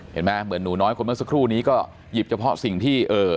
เหมือนหนูน้อยคนเมื่อสักครู่นี้ก็หยิบเฉพาะสิ่งที่